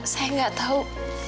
saya gak tahu